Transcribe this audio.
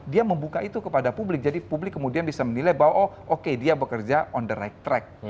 dia membuka itu kepada publik jadi publik kemudian bisa menilai bahwa oh oke dia bekerja on the right track